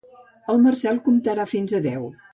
El Marcel comptarà fins a deu.